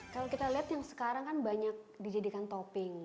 kalau kita lihat yang sekarang kan banyak dijadikan topping